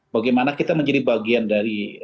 bagaimana kita menjadi bagian dari